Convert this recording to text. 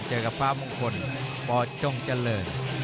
เจอกับฟ้ามงคลปจงเจริญ